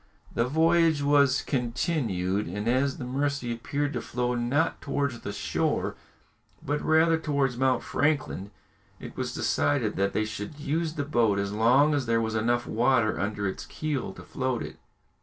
The voyage was continued, and as the Mercy appeared to flow not towards the shore, but rather towards Mount Franklin, it was decided that they should use the boat as long as there was enough water under its keel to float it.